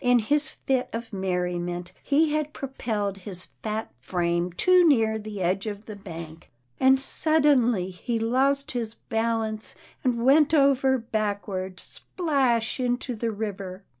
In his fit of merriment, he had propelled his fat frame too near the edge of the bank, and suddenly he lost his balance, and went over backward, splash into the river.